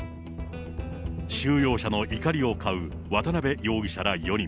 収容者の怒りを買う渡辺容疑者ら４人。